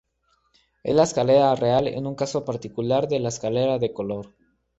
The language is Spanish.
La escalera real es un caso particular de la escalera de color.